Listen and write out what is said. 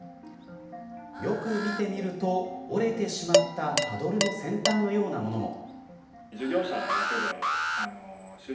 よく見てみると折れてしまったパドルの先端のようなものも。